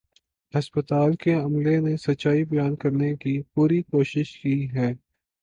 ہسپتال کے عملے نے سچائی بیان کرنے کی پوری کوشش کی ہے